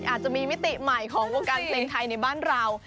อาจจะมีมิติใหม่ของวงการเพลงไทยในบ้านเรา